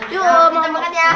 yuk kita makan ya